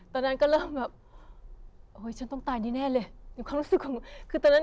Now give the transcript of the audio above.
ตอนนั้นก็เริ่มแบบเฮ้ยฉันต้องตายแน่เลย